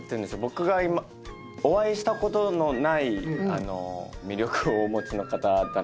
僕がお会いしたことのない魅力をお持ちの方だなと。